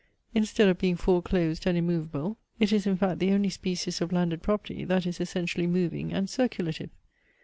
Instead of being foreclosed and immovable, it is in fact the only species of landed property, that is essentially moving and circulative.